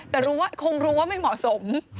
แต่คงรู้ว่าไม่เหมาะสม